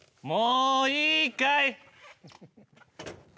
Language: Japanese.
もういいかい？